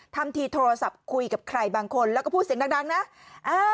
ทำทีโทรศัพท์คุยกับใครบางคนแล้วก็พูดเสียงดังนะอ่า